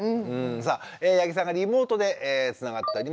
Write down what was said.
さあ八木さんがリモートでつながっております。